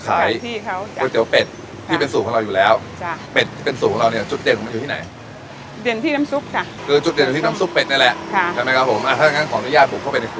ไปดูว่ามีส่วนผสมอะไรป่ะค่ะนะครับเจอแล้วครับแม่ครับ